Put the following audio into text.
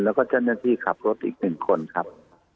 แล้วก็เจ้าหน้าที่ขับรถอีก๑คนครับ